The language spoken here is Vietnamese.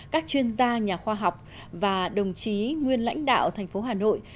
các chuyên gia nhà khoa học và đồng chí nguyên lãnh đạo thành phố hà nội